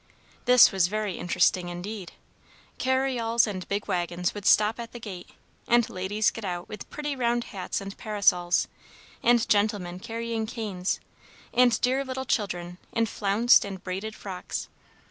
This was very interesting, indeed! Carryalls and big wagons would stop at the gate, and ladies get out, with pretty round hats and parasols; and gentlemen, carrying canes; and dear little children, in flounced and braided frocks.